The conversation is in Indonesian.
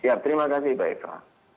ya terima kasih mbak eva